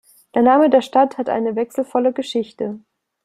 Der Name der Stadt hat eine wechselvolle Geschichte.